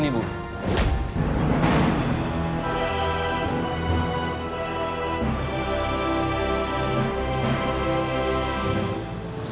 maksudnya apa stems